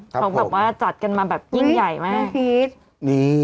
เขาหยุดว่าจัดกันมาแบบยิ่งใหญ่ไหม